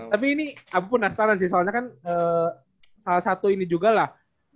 tapi ini aku penasaran sih soalnya kan salah satu ini juga lah